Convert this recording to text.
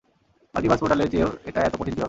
Multiverse পোর্টালের চেয়েও এটা এত কঠিন কীভাবে?